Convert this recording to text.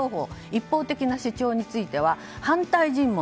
一方的な主張については反対尋問